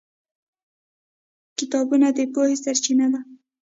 کتابونه د پوهې سرچینه ده.